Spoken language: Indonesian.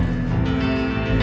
oke sampai jumpa